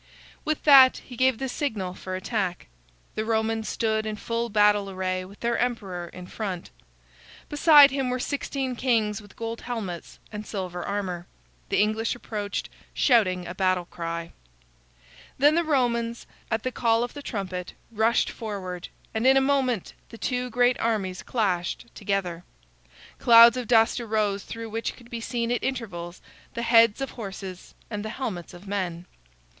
With that, he gave the signal for attack. The Romans stood in full battle array with their emperor in front. Beside him were sixteen kings with gold helmets and silver armor. The English approached, shouting a battle cry. Then the Romans, at the call of the trumpet, rushed forward, and in a moment the two great armies clashed together. Clouds of dust arose through which could be seen at intervals the heads of horses and the helmets of men.